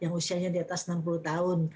yang usianya di atas enam puluh tahun